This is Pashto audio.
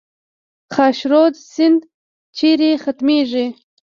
خاشرود سیند چیرته ختمیږي؟